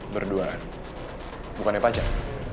berdua bukannya pacar